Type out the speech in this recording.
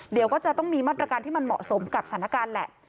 เดี๋ยวก็จะต้องมีมาตรการที่มันเหมาะสมกับสถานการณ์แหละ